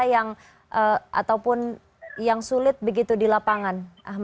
dan juga bagaimana proses evakuasi adakah kendala yang sulit begitu di lapangan